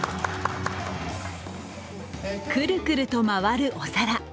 くるくると回るお皿。